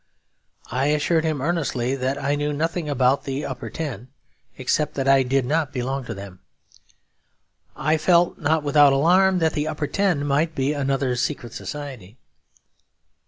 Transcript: I assured him earnestly that I knew nothing about the Upper Ten, except that I did not belong to them; I felt, not without alarm, that the Upper Ten might be another secret society.